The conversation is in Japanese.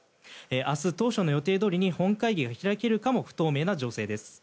明日、当初の予定どおりに本会議が開けるかも不透明な情勢です。